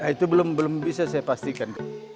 itu belum bisa saya pastikan